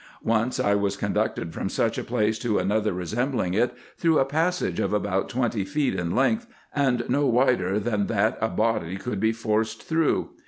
Once I was conducted from such a place to another resembling it, through a passage of about twenty feet in length, and no wider than that a body could be forced through.